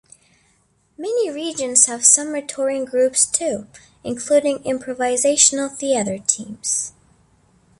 Many regions have summer touring groups too, including improvisational theatre teams.